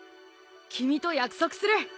君と約束する。